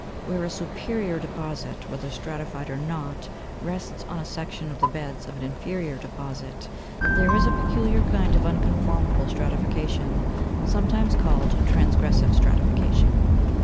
Where a superior deposit, whether stratified or not, rests on a section of the beds of an inferior deposit (Jig. 299), there is a peculiar kind of unconformable stratification, sometimes called transgressive stratification.